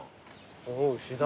おお牛だ。